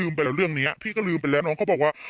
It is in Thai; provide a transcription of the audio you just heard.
พี่ก็พี่ก็ไปเรื่องเนี้ยพี่ก็ลืมไปแล้วนางก็บอกว่า